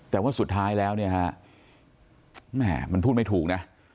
แต่ว่าสุดท้ายแล้วเนี่ยฮะแม่มันพูดไม่ถูกนะ